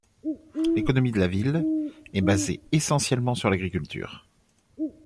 L'économie de la ville est basée essentiellement sur l'agriculture.